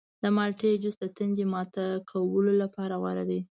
د مالټې جوس د تندې ماته کولو لپاره غوره دی.